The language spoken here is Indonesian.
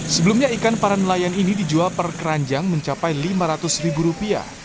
sebelumnya ikan para nelayan ini dijual per keranjang mencapai lima ratus ribu rupiah